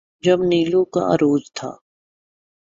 جب نیلو کا عروج تھا۔